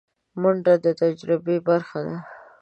منډه د تجربې برخه ده